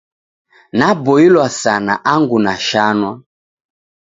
Naboilwa sana angu nashanwa.